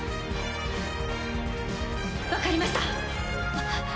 わかりました。